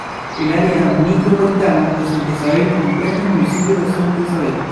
El área micropolitana de Santa Isabel comprende el municipio de Santa Isabel.